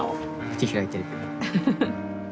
口開いてるけど。